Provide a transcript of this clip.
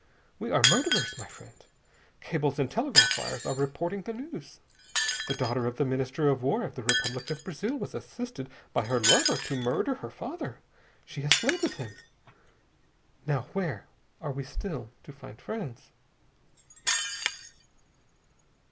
We are murderers, my friend. Cables and telegraph wires are reporting the news. The daughter of the Minister of War of the Republic of Brazil was assisted by her lover to murder her father. She has fled with him. Now where are we still to find friends?"